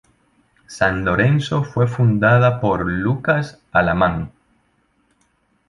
San Lorenzo fue fundada por Lucas Alamán.